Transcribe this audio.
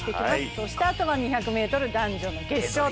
そしてあとは２００ｍ男女の決勝。